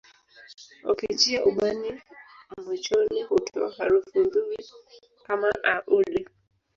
Ukichia ubani mochoni hutoa harufu ndhuri kama a udi